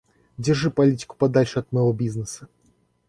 Держи политику подальше от моего бизнеса.